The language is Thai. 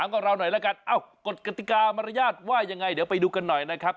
กดกฎิกามารยาทว่ายังไงเดี๋ยวไปดูกันหน่อยนะครับ